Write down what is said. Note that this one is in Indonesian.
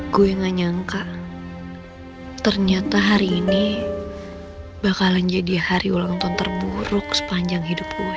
gue gak nyangka ternyata hari ini bakalan jadi hari ulang tahun terburuk sepanjang hidup gue